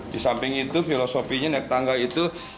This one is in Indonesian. di samping itu filosofinya naik tangga itu